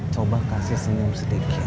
coba kasih senyum sedikit